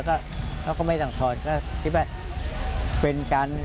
เขาก็ไม่ต้องถอน